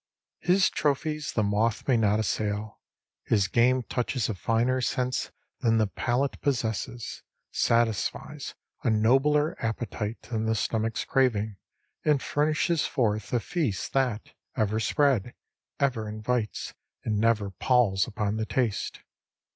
His trophies the moth may not assail. His game touches a finer sense than the palate possesses, satisfies a nobler appetite than the stomach's craving, and furnishes forth a feast that, ever spread, ever invites, and never palls upon the taste.